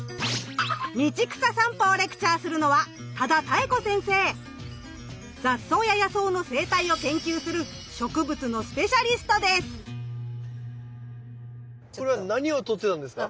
道草さんぽをレクチャーするのは雑草や野草の生態を研究するこれは何を撮ってたんですか？